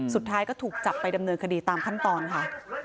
สุดท้ายก็ถูกจับไปดำเนินคดีตามขั้นตอนค่ะ